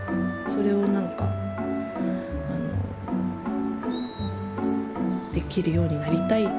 それをなんかできるようになりたい。